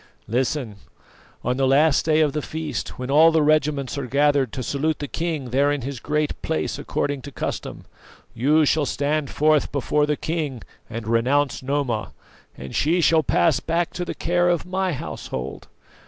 "Listen. On the last day of the feast, when all the regiments are gathered to salute the king there in his Great Place according to custom, you shall stand forth before the king and renounce Noma, and she shall pass back to the care of my household.